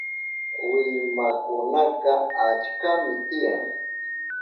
Willmankunaka achkami tiyan.